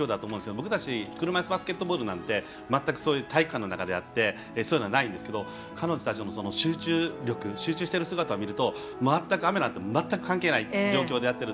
僕たち、車いすバスケットなんて体育館の中なのでそういうのはないんですけど彼女たちの集中してる姿を見ると雨なんて全く関係ない状況でやってる。